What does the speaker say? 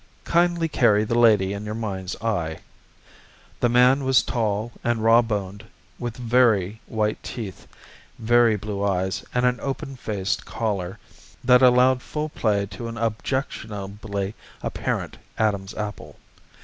Kindly carry the lady in your mind's eye. The man was tall and rawboned, with very white teeth, very blue eyes and an open faced collar that allowed full play to an objectionably apparent Adam's apple.